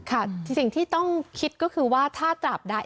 ค่ะสิ่งที่ต้องคิดก็คือว่าถ้าตราบได้